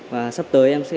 và sắp tới em sẽ